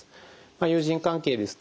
友人関係ですとかね